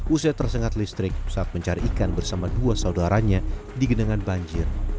usai tersengat listrik saat mencari ikan bersama dua saudaranya di genangan banjir